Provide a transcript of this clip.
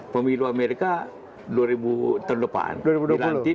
pemilu amerika terdepan dilantik dua ribu dua puluh satu